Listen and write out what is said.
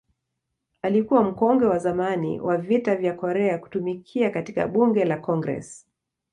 Alikuwa mkongwe wa zamani wa Vita vya Korea kutumikia katika Bunge la Congress.